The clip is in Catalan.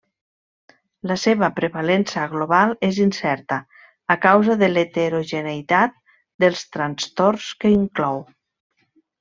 La seva prevalença global és incerta, a causa de l'heterogeneïtat dels trastorns que inclou.